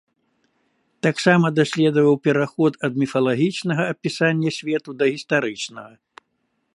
Таксама даследаваў пераход ад міфалагічнага апісання свету да гістарычнага.